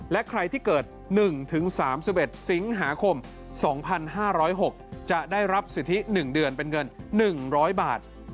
และใครที่เกิด๑๓๑สิงหาคม๒๕๐๖จะได้รับสิทธิ๑เดือนเป็นเงิน๑๐๐บาท